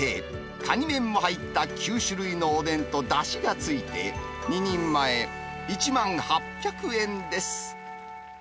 カニ面も入った９種類のおでんとだしがついて、２人前１万８００円です。